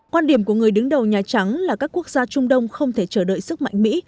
quan điểm của người đứng đầu nhà trắng là các quốc gia trung đông không thể chờ đợi sức mạnh mỹ